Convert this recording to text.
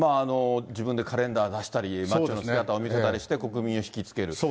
自分でカレンダー出したり、マッチョな姿を見せたりして国民を引き付ける。